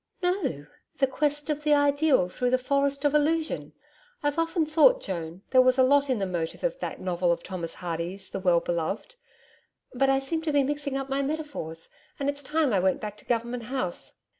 'No, The Quest of the Ideal through the Forest of Illusion. I've often thought, Joan, there was a lot in the motive of that novel of Thomas Hardy's THE WELL BELOVED. But I seem to be mixing up my metaphor, and it's time I went back to Government House.'